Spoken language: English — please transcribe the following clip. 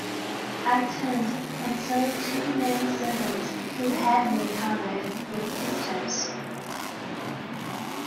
I turned, and saw two men-servants who had me covered with pistols.